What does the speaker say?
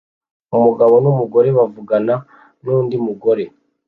Umugabo numugore bavugana nundi mugore